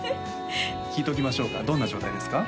聞いときましょうかどんな状態ですか？